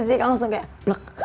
jadi langsung kayak plek